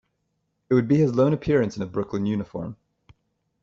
It would be his lone appearance in a Brooklyn uniform.